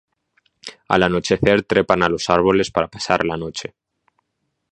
Al anochecer trepan a los árboles para pasar la noche.